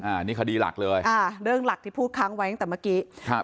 อันนี้คดีหลักเลยค่ะเรื่องหลักที่พูดค้างไว้ตั้งแต่เมื่อกี้ครับ